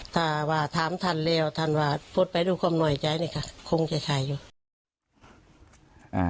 ท่านว่าพลบไปดูความหน่อยใจ